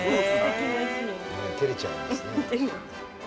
照れちゃいますね。